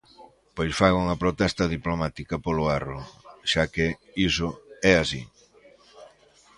Pois faga unha protesta diplomática polo erro, xa que iso é así.